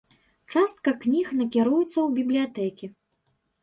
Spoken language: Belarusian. Частка кніг накіруецца ў бібліятэкі.